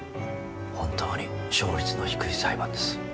本当に勝率の低い裁判です。